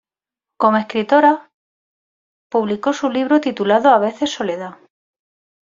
Como escritora publico su libro titulado "A veces soledad".